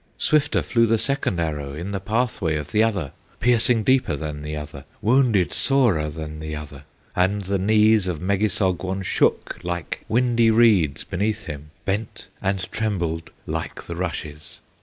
Swifter flew the second arrow, In the pathway of the other, Piercing deeper than the other, Wounding sorer than the other; And the knees of Megissogwon Shook like windy reeds beneath him, Bent and trembled like the rushes.